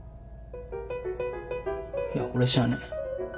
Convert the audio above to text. いや俺じゃねえ。